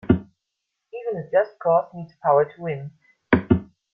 Even a just cause needs power to win.